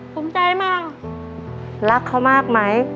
ภูมิใจมากรักเขามากไหม